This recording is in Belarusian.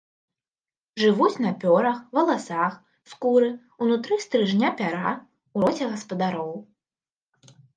Жывуць на пёрах, валасах, скуры, унутры стрыжня пяра, у роце гаспадароў.